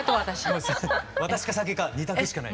もう私か酒か２択しかない。